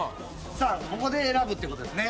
さあここで選ぶってことですね